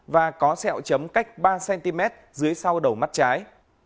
và có sẹo chấm cách ba cm dưới sau đầu mắt trái